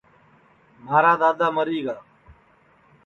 دؔادؔا سُورِیا مری گا